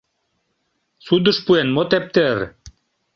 — Судыш пуэн, мо тептер?